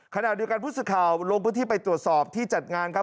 ขณะเดียวกันผู้สื่อข่าวลงพื้นที่ไปตรวจสอบที่จัดงานครับ